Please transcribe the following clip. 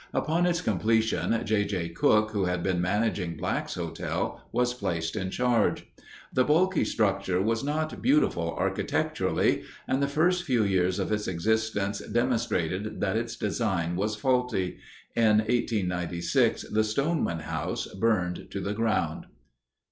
Upon its completion J. J. Cook, who had been managing Black's Hotel, was placed in charge. The bulky structure was not beautiful architecturally, and the first few years of its existence demonstrated that its design was faulty. In 1896 the Stoneman House burned to the ground.